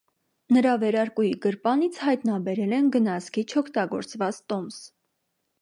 Նրա վերարկուի գրպանից հայտնաբերել են գնացքի չօգտագործված տոմս։